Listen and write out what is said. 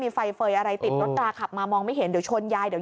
ไฟเฟย์อะไรติดรถตาขับมามองไม่เห็นเดี๋ยวชนยายเดี๋ยว